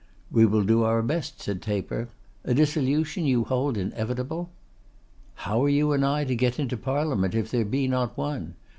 'We will do our best,' said Taper. 'A dissolution you hold inevitable?' 'How are you and I to get into Parliament if there be not one?